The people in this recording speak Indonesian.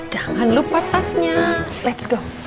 jangan lupa tasnya let's go